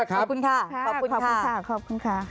ขอบคุณมากครับขอบคุณค่ะ